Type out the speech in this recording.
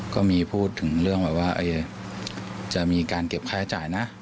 ก็มีพูดถึงเรื่องแบบว่าจะมีการเก็บค่าใช้จ่ายนะ